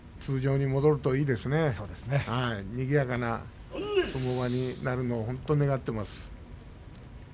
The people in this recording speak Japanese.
にぎやかな場所になるのを本当に願っています。